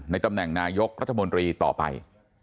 ตำแหน่งนายกรัฐมนตรีต่อไป